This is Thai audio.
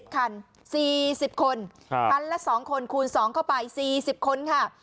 คัน๔๐คนคันละ๒คนคูณ๒เข้าไป๔๐คนค่ะ